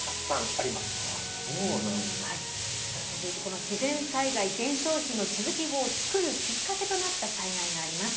はいでは続いてこの自然災害伝承碑の地図記号を作るきっかけとなった災害があります。